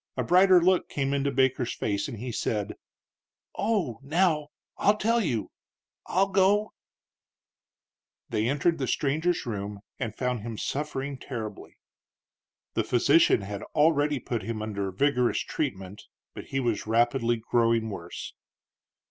A brighter look came into Baker's face and he said: "Oh, now, I'll tell you; I'll go." They entered the stranger's room and found him suffering terribly. The physician already had put him under vigorous treatment, but he was rapidly growing worse.